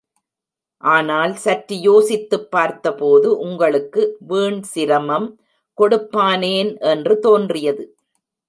ஆனால், சற்று யோசித்துப் பார்த்த போது, உங்களுக்கு வீண் சிரமம் கொடுப்பானேன் என்று தோன்றியது.